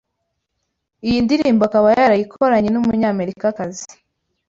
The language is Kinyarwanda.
Iyi ndirimbo akaba yarayikoranye n’Umunyamerikakazi